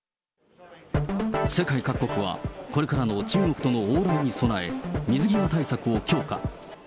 世界各国は、これからの中国との往来に備え、水際対策を強化。